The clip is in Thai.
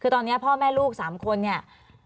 คือตอนนี้พ่อแม่ลูก๓คนเนี่ย